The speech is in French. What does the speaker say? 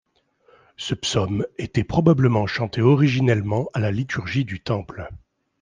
Ce psaume était probablement chanté originellement à la liturgie du temple.